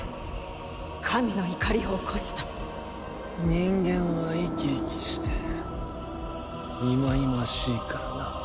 人間は生き生きして忌々しいからな。